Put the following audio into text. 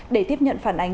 để tiếp nhận phản ánh